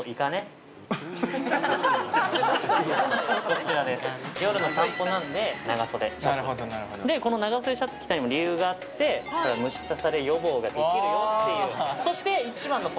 こちらです夜の散歩なんで長袖シャツこの長袖シャツ着たにも理由があって虫刺され予防ができるよっていうおお！